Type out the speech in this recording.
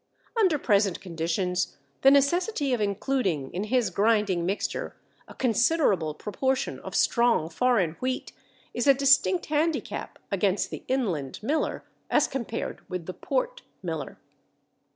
Under present conditions the necessity of including in his grinding mixture a considerable proportion of strong foreign wheat is a distinct handicap against the inland miller as compared with the port miller.